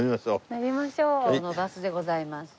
今日のバスでございます。